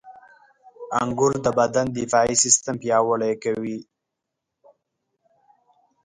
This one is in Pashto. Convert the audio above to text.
• انګور د بدن دفاعي سیستم پیاوړی کوي.